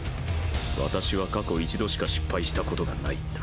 私は過去一度しか失敗した事がないんだ。